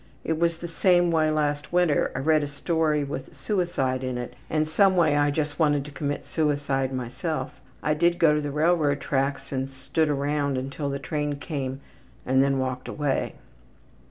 It was the same way last winter. I read a story with suicide in it and someway I just wanted to commit suicide myself. I did go to the railroad tracks and stood around until the train came and then walked away.